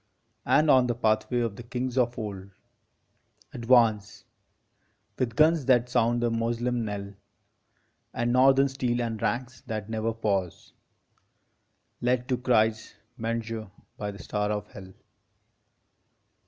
And on the pathway of the kings of old Advance, with guns that sound the Moslem knell And northern steel and ranks that never pause, Led to Christ s manger by the Star of Hell!